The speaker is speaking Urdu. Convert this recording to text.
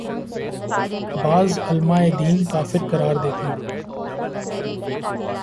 بعض علماے دین کافر قرار دیتے